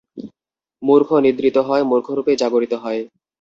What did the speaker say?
মূর্খ নিদ্রিত হয়, মূর্খরূপেই জাগরিত হয়।